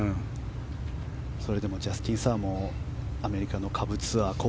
それでもジャスティン・サーもアメリカの下部ツアー